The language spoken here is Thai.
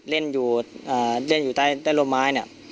เล่นอยู่ใต้รวมไม้เนี่ย